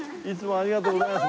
ありがとうございます！